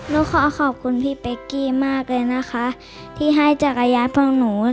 ขอขอบคุณพี่เป๊กกี้มากเลยนะคะที่ให้จักรยานพวกหนู